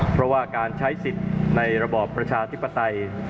เพราะว่าการใช้สิทธิ์ในระบอบประชาธิปไตย